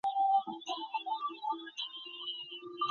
তারা সে গুলোকে মূর্তির বেদীমূলে উৎসর্গ করবে।